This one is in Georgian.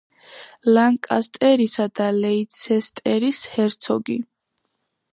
ლანკასტერისა და ლეიცესტერის ჰერცოგი.